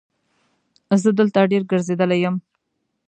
زه دلته ډېر ګرځېدلی یم.